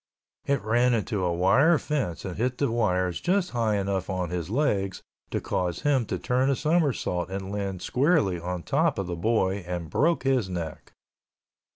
It ran into a wire fence and hit the wires just high enough on his legs to cause him to turn a somersault and land squarely on top of the boy and broke his neck.